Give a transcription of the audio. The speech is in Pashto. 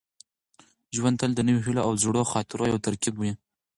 ژوند تل د نویو هیلو او زړو خاطرو یو ترکیب وي.